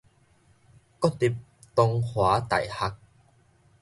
國立東華大學